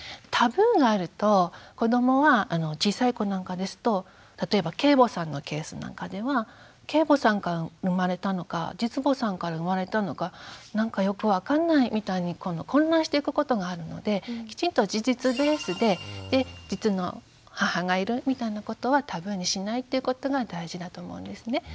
タブーがあると子どもは小さい子なんかですと例えば継母さんのケースなんかでは継母さんから生まれたのか実母さんから生まれたのかなんかよく分かんないみたいに混乱していくことがあるのできちんと事実ベースで実の母がいるみたいなことはタブーにしないっていうことが大事だと思うんですね。